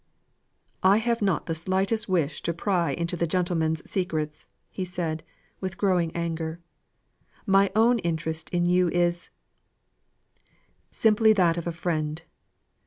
"I have not the slightest wish to pry into the gentleman's secrets," he said, with growing anger. "My own interest in you is simply that of a friend.